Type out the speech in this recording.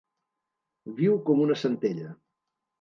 Viu com una centella.